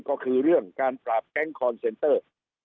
ก็คือเรื่องการปราบแก๊งคอนเซนเตอร์